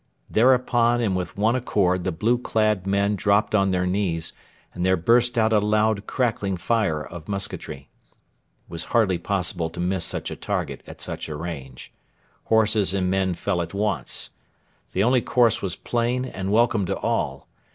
Thereupon and with one accord the blue clad men dropped on their knees, and there burst out a loud, crackling fire of musketry. It was hardly possible to miss such a target at such a range. Horses and men fell at once. The only course was plain and welcome to all.